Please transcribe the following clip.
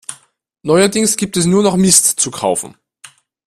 Neuerdings gibt es nur noch Mist zu kaufen.